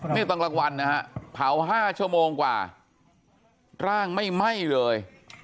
นี่ตอนกลางวันนะฮะเผา๕ชั่วโมงกว่าร่างไม่ไหม้เลย